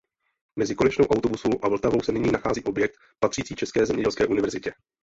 Mezi konečnou autobusu a Vltavou se nyní nachází objekt patřící České zemědělské univerzitě.